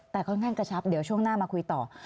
แต่ค่อนข้างกระชับเดี๋ยวช่วงหน้ามาคุยต่อ